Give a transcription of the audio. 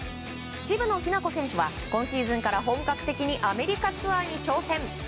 渋野日向子選手は今シーズンから本格的にアメリカツアーに挑戦。